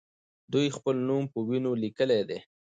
دوی خپل نوم په وینو لیکلی دی.